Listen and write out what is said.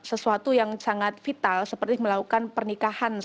ini adalah hal yang sangat vital seperti melakukan pernikahan